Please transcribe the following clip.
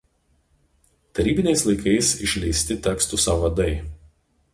Tarybiniais laikais išleisti tekstų sąvadai.